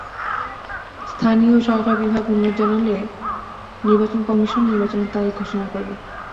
স্থানীয় সরকার বিভাগ অনুরোধ জানালে নির্বাচন কমিশন নির্বাচনের তারিখ ঘোষণা করবে।